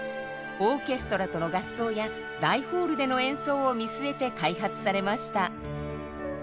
オーケストラとの合奏や大ホールでの演奏を見据えて開発されました。